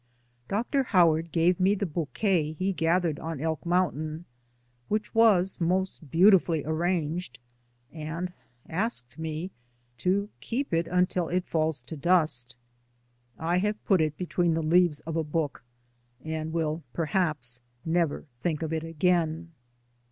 Dr. Howard gave me the bouquet he DAYS ON THE ROAD. 159 gathered on Elk Mountain, which was most beautifully arranged, and asked me 'To keep it until it falls to dust." I have put it be tween the leaves of a book and will perhaps never think of it again.